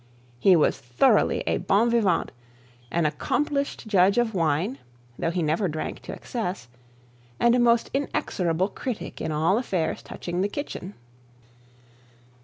He was thoroughly a bon vivant; an accomplished judge of wine, though he never drank to excess; and a most inexorable critic in all affairs touching the kitchen.